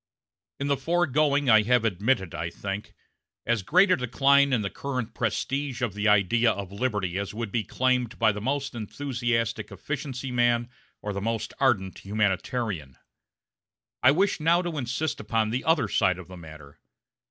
In the foregoing I have admitted, I think, as great a decline in the current prestige of the idea of liberty as would be claimed by the most enthusiastic efficiency man or the most ardent humanitarian. I now wish to insist upon the other side of the matter.